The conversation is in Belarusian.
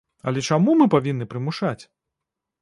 Але чаму мы павінны прымушаць?!